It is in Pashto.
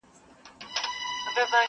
• ما اخیستی دا عادت دی له خیامه..